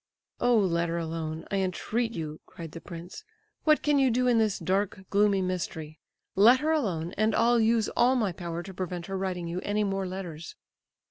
"Oh, let her alone, I entreat you!" cried the prince. "What can you do in this dark, gloomy mystery? Let her alone, and I'll use all my power to prevent her writing you any more letters."